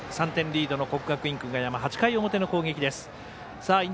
３点リードの国学院久我山８回表の攻撃です。